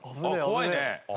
怖いね。